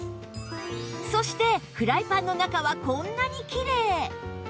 そしてフライパンの中はこんなにきれい！